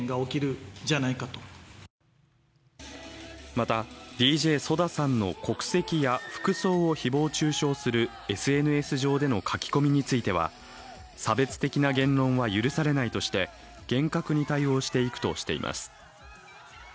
また、ＤＪＳＯＤＡさんの国籍や服装を誹謗中傷するＳＮＳ上での書き込みについては差別的な言論は許されないとして厳格に対応していくとしています。